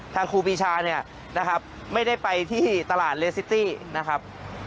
ครูปีชาเนี่ยนะครับไม่ได้ไปที่ตลาดเลซิตี้นะครับ